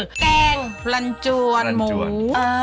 แกงลันจวนหมู